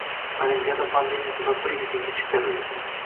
Olimpiada pandemiya sabab bir yilga kechiktirildi.